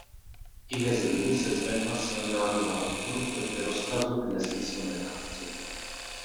I mezi nimi se zvedla silná vlna odporu proti rozkazu k nesmyslné akci.